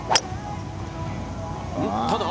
ただ。